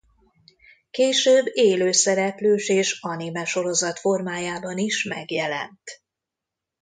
Később élőszereplős és animesorozat formájában is megjelent.